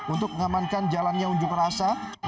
untuk mengamankan jalannya unjuk rasa